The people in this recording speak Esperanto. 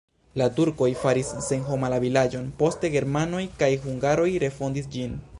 La turkoj faris senhoma la vilaĝon, poste germanoj kaj hungaroj refondis ĝin.